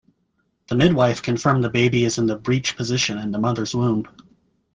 The midwife confirmed the baby is in the breech position in the mother’s womb.